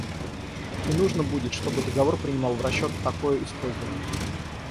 И нужно будет, чтобы договор принимал в расчет такое использование.